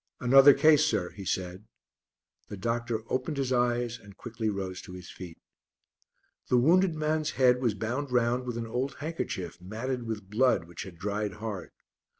"Another case, sir," he said. The doctor opened his eyes and quickly rose to his feet. The wounded man's head was bound round with an old handkerchief, matted with blood which had dried hard.